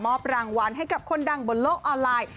รางวัลให้กับคนดังบนโลกออนไลน์